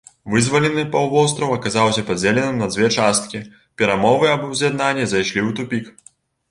Вызвалены паўвостраў аказаўся падзеленым на дзве часткі, перамовы аб уз'яднанні зайшлі ў тупік.